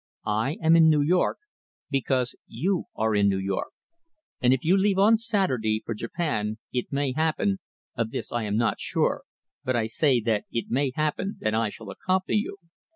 I am in New York because you are in New York, and if you leave on Saturday for Japan it may happen of this I am not sure but I say that it may happen that I shall accompany you."